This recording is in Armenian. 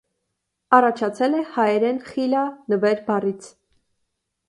Առաջացել է հայերեն խիլա՝ «նվեր» բառից։